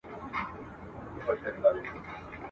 او څلور ناولونه یې چاپ کړل !.